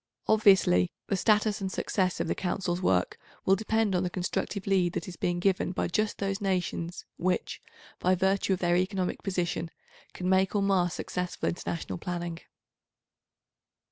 Obviously, the status and success of the Council's work will depend on the constructive lead that is being given by just those nations which, by virtue of their economic position, can make or mar successful international planning.